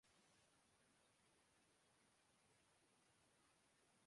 Model Town case بھی پیچھے پیچھے ہے۔